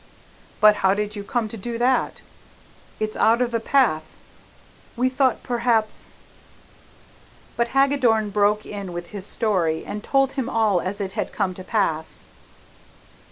"But how did you come to do that? It's out of the path. We thought perhaps " But Hagadorn broke in with his story and told him all as it had come to pass.